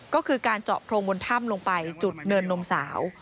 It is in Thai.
ก็คือการเจาะโพรงบนถ้ำลงไปจุดเนินนมสาว